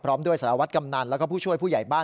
พร้อมด้วยสารวัตรกำนันแล้วก็ผู้ช่วยผู้ใหญ่บ้าน